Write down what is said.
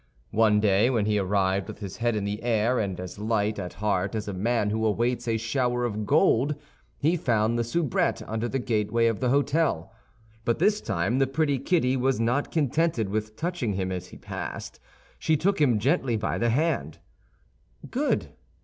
One day, when he arrived with his head in the air, and as light at heart as a man who awaits a shower of gold, he found the soubrette under the gateway of the hôtel; but this time the pretty Kitty was not contented with touching him as he passed, she took him gently by the hand. "Good!"